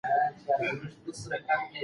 دولت د خپلو وګړو لپاره کوم مسؤوليتونه لري؟